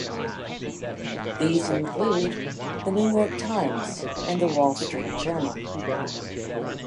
These include "The New York Times" and "The Wall Street Journal".